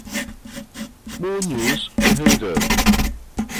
Muniz Ferreira